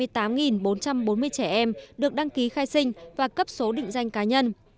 trẻ em được đăng ký khai sinh và cấp số định danh cá nhân